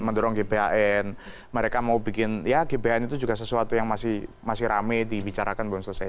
mendorong gbhn mereka mau bikin ya gbhn itu juga sesuatu yang masih rame dibicarakan belum selesai